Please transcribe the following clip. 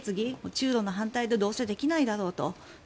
中ロの反対でどうせできないだろうと。